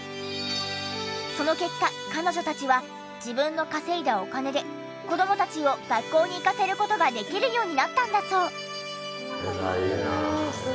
その結果彼女たちは自分の稼いだお金で子どもたちを学校に行かせる事ができるようになったんだそう。